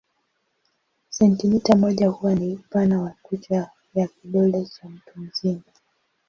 Sentimita moja huwa ni upana wa kucha ya kidole cha mtu mzima.